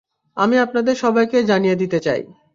আমি আপনাদের সবাইকে জানিয়ে দিতে চাই।